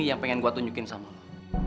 yang pengen gue tunjukin sama lo